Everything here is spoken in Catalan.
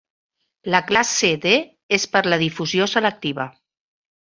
La classe D és per la difusió selectiva.